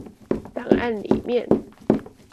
檔案裡面